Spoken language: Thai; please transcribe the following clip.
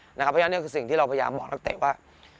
เพราะฉะนั้นนี่คือสิ่งที่เราพยายามบอกนักเตะว่า